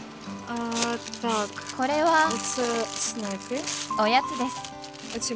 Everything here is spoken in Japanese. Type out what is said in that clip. これはおやつです。